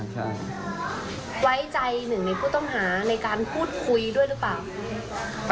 ใช่ไว้ใจหนึ่งในผู้ต้องหาในการพูดคุยด้วยหรือเปล่า